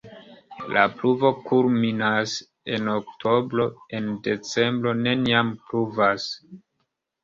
La pluvo kulminas en oktobro, en decembro neniam pluvas.